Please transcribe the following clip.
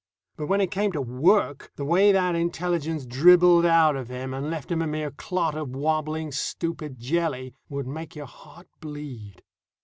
But when it came to work, the way that intelligence dribbled out of him and left him a mere clot of wobbling, stupid jelly would make your heart bleed.